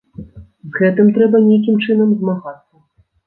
З гэтым трэба нейкім чынам змагацца.